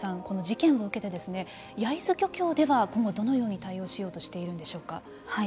この事件を受けて焼津漁協では今後どのように対応しようとしているんでしょうか。